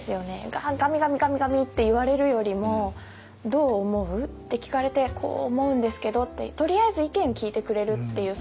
ガミガミガミガミって言われるよりも「どう思う？」って聞かれて「こう思うんですけど」ってとりあえず意見聞いてくれるっていう。